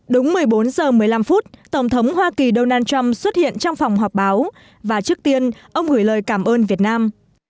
đúng một mươi bốn h một mươi năm phút tổng thống hoa kỳ donald trump xuất hiện trong phòng họp báo và trước tiên ông gửi lời cảm ơn việt nam